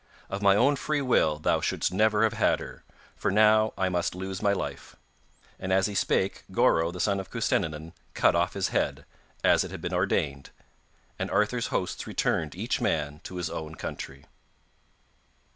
Of my own free will thou shouldst never have had her, for now I must lose my life.' And as he spake Goreu the son of Custennin cut off his head, as if had been ordained, and Arthur's hosts returned each man to his own country.